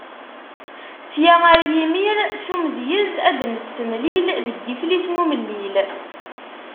Sya ar yimir, s umedyez ad d-nettmlil deg Yiflisen Umellil.